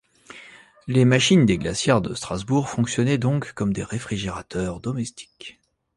Les machines des glacières de Strasbourg fonctionnaient donc comme des réfrigérateurs domestiques.